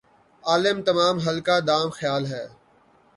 عالم تمام حلقہ دام خیال ھے